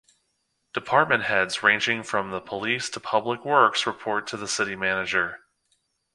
Department heads ranging from the Police to Public works report to the City Manager.